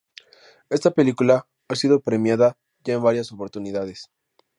Esta película ha sido premiada ya en varias oportunidades.